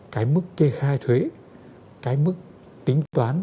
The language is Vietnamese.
cái mức kê khai thuế cái mức tính toán